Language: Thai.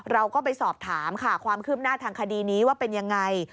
เราก็ไปสอบถามค่ะความคืบหน้าทางคดีนี้ว่าเป็นยังไง